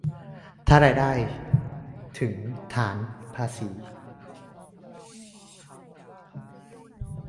ถ้ารายได้ถึงฐานภาษี